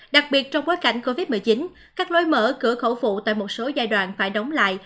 đặc biệt trong bối cảnh covid một mươi chín các lối mở cửa khẩu phụ tại một số giai đoạn phải đóng lại